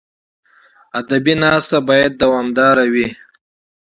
ادبي ناسته باید دوامداره وي.